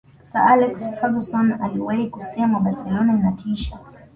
sir alex ferguson aliwahi kusema barcelona inatisha